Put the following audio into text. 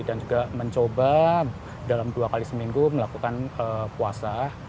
dan juga mencoba dalam dua kali seminggu melakukan puasa